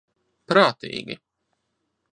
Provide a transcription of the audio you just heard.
Prātīgi.